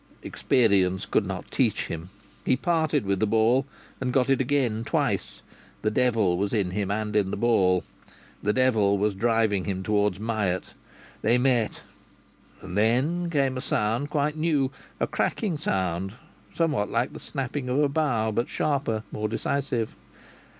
Experience could not teach him. He parted with the ball and got it again, twice. The devil was in him and in the ball. The devil was driving him towards Myatt. They met. And then came a sound quite new: a cracking sound, somewhat like the snapping of a bough, but sharper, more decisive.